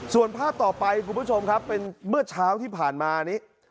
ส่วนภาพต่อไปคุณผู้ชมครับเป็นเมื่อเช้าที่ผ่านมานี้